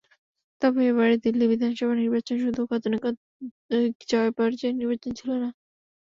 তবে এবারের দিল্লি বিধানসভা নির্বাচন শুধু গতানুগতিক জয়-পরাজয়ের নির্বাচন ছিল না।